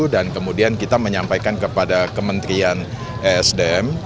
dan kemudian kita menyampaikan kepada kementerian esdm